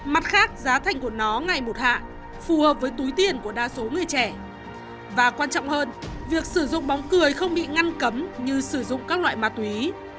mặt khác giá thành của nó ngày một hạ phù hợp với túi tiền của đa số người trẻ và quan trọng hơn việc sử dụng bóng cười không bị ngăn cấm như sử dụng các loại ma túy